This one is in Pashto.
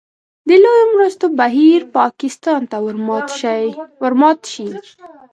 د لویو مرستو بهیر پاکستان ته ورمات شي.